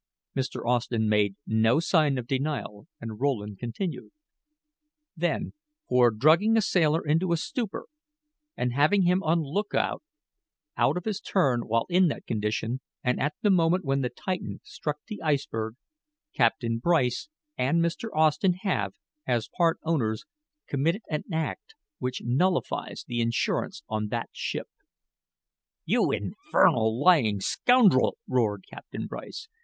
Mr. Austen made no sign of denial and Rowland continued: "Then, for drugging a sailor into a stupor, and having him on lookout out of his turn while in that condition, and at the moment when the Titan struck the iceberg, Captain Bryce and Mr. Austen have, as part owners, committed an act which nullifies the insurance on that ship." "You infernal, lying scoundrel!" roared Captain Bryce.